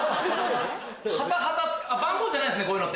番号じゃないんすねこういうの。